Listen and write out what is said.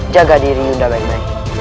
jaga diri yuda baik baik